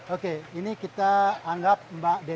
oke ini kita anggap mbak ini berkah ya